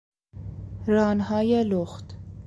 رانهای لخت